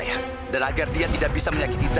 jangan lakukan apa apa